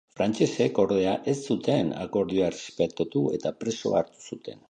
Frantsesek, ordea, ez zuten akordioa errespetatu eta preso hartu zuten.